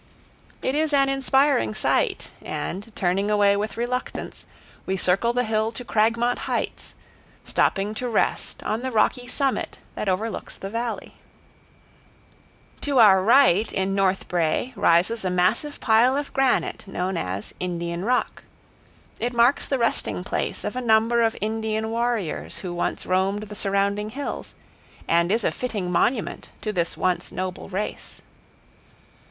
It is an inspiring sight, and, turning away with reluctance, we circle the hill to Cragmont Heights, stopping to rest on the rocky summit that overlooks the valley. [Illustration: CAÑON AND HILLSIDE] To our right in North Brae rises a massive pile of granite, known as "Indian Rock." It marks the resting place of a number of Indian warriors who once roamed the surrounding hills, and is a fitting monument to this once noble race.